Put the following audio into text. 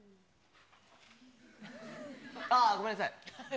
ああ、ごめんなさい。